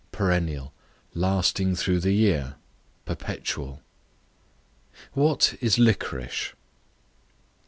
Perennial, lasting through the year, perpetual. What is Licorice?